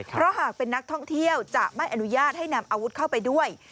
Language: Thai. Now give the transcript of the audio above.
เพราะหากเป็นนักท่องเที่ยวจะไม่อนุญาตให้นำอาวุธเข้าไปด้วย